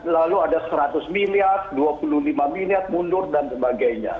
lalu ada seratus miliar dua puluh lima miliar mundur dan sebagainya